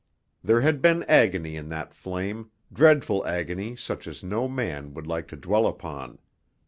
There had been agony in that flame, dreadful agony such as no man would like to dwell upon.